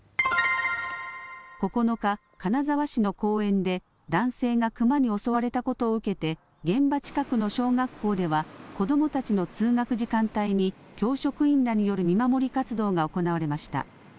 ９日、金沢市の公園で男性がクマに襲われたことを受けて現場近くの小学校では子どもたちの通学時間帯に教職員らによる見守り活動が行われました。